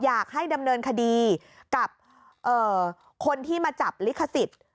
อยากให้ดำเนินคดีกับคนที่มาจับลิขสิทธิ์